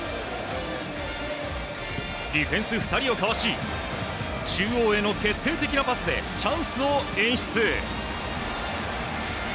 ディフェンス２人をかわし中央への決定的なパスでチャンスを演出。